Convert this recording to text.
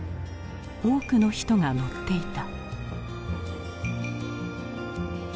多くの人が乗っていた。